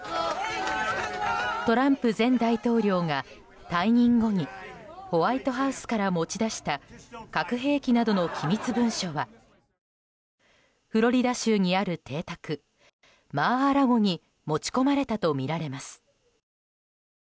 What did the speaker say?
トランプ前大統領が退任後にホワイトハウスから持ち出した核兵器などの機密文書はフロリダ州にある邸宅マー・ア・ラゴに持ち込まれたとみられます。